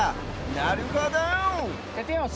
なるほど！